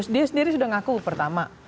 dia sendiri sudah ngaku pertama